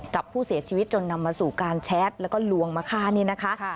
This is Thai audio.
กับผู้เสียชีวิตจนนำมาสู่การแชทแล้วก็ลวงมาฆ่านี่นะคะ